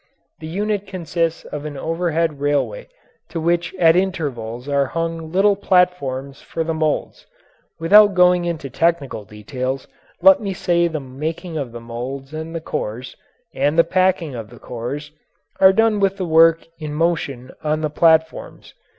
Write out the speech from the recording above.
A unit consists of an overhead railway to which at intervals are hung little platforms for the moulds. Without going into technical details, let me say the making of the moulds and the cores, and the packing of the cores, are done with the work in motion on the platforms.